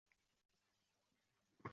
Kutubxonachini esa unitadi oʻquvchilar